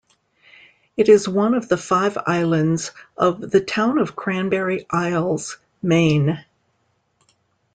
It is one of the five islands of the Town of Cranberry Isles, Maine.